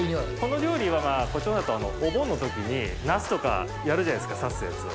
この料理はこちらだとお盆の時にナスとかやるじゃないですか刺すやつを。